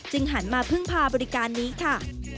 หันมาพึ่งพาบริการนี้ค่ะ